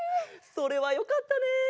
それはよかったね。